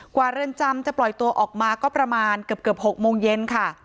เรือนจำจะปล่อยตัวออกมาก็ประมาณเกือบ๖โมงเย็นค่ะ